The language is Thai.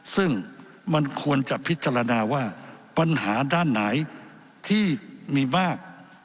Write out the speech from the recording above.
ซึ่งมันควรจะพิจารณาว่าปัญหาด้านไหนที่มีมาก